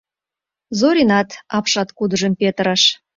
Зоринат апшаткудыжым петырыш.